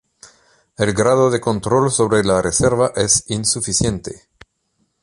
El grado de control sobre la reserva es insuficiente.